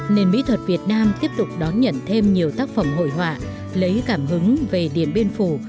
nền mỹ thuật việt nam tiếp tục đón nhận thêm nhiều tác phẩm hội họa lấy cảm hứng về điện biên phủ